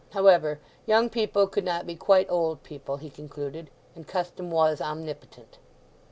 However, young people could not be quite old people, he concluded, and custom was omnipotent.